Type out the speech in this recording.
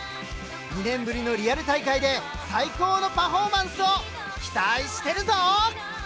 ２年ぶりのリアル大会で最高のパフォーマンスを期待してるぞ！